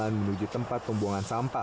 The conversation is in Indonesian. menuju tempat pembuangan sampah